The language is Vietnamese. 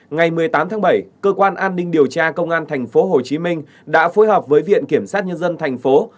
ngày một mươi tám tháng bảy cơ quan an ninh điều tra công an tp hcm đã phối hợp với viện kiểm soát nhân dân tp hcm